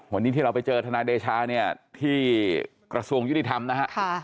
วันนี้ที่เราไปเจอทนายเดชาเนี่ยที่กระทรวงยุติธรรมนะฮะ